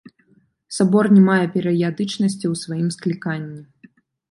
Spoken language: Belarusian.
Сабор не мае перыядычнасці ў сваім скліканні.